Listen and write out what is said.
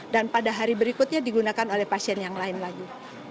dan pada hari berikutnya digunakan oleh pasien yang lain lagi